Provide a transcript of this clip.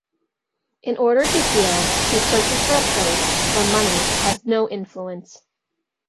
In order to heal, he searches for a place where money has no influence.